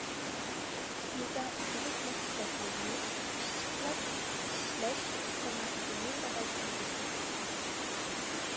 يېزا ئىگىلىك مەھسۇلاتلىرىنى پىششىقلاپ ئىشلەش سانائىتىنى راۋاجلاندۇرىمىز.